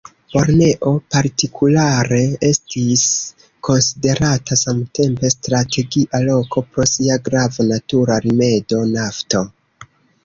Borneo partikulare estis konsiderata samtempe strategia loko pro sia grava natura rimedo; nafto.